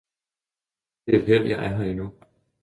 og hvor det er et Held, at jeg er her endnu.